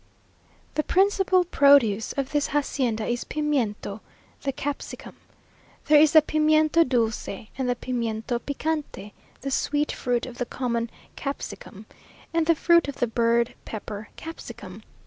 The principal produce of this hacienda is pimiento, the capsicum. There is the pimiento dulce and the pimiento picante, the sweet fruit of the common capsicum, and the fruit of the bird pepper capsicum.